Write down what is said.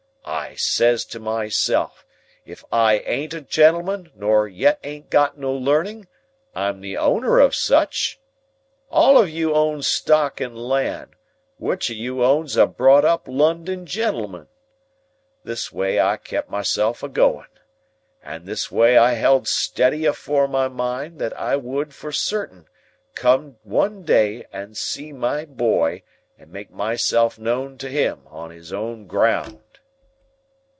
I says to myself, 'If I ain't a gentleman, nor yet ain't got no learning, I'm the owner of such. All on you owns stock and land; which on you owns a brought up London gentleman?' This way I kep myself a going. And this way I held steady afore my mind that I would for certain come one day and see my boy, and make myself known to him, on his own ground."